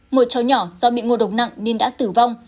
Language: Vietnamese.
một cháu nhỏ do bị ngộ độc nặng nên đã tử vong